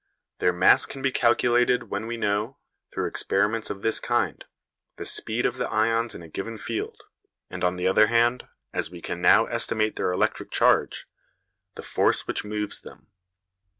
Their mass can be calculated when we know, through experiments of this kind, the speed of the ions in a given field, and on the other hand as we can now estimate their electric charge the force which moves them.